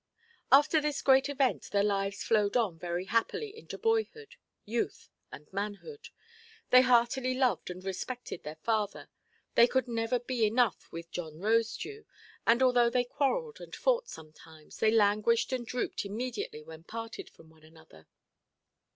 After this great event, their lives flowed on very happily into boyhood, youth, and manhood. They heartily loved and respected their father; they could never be enough with John Rosedew; and although they quarrelled and fought sometimes, they languished and drooped immediately when parted from one another.